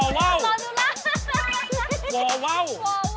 ฟ้องฟ้าหว่อวร่ว่าว